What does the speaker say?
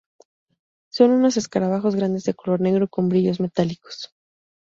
Son unos escarabajos grandes de color negro con brillos metálicos.